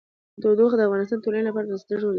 تودوخه د افغانستان د ټولنې لپاره بنسټيز رول لري.